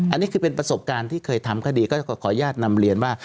อันนี้คือเป็นประสบการณ์ที่เคยทำคดีก็ขออนุญาตนำเรียนว่า